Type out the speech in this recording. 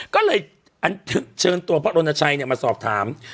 ก็เลยเชิญตัวพระรณชัยมาสอบถาม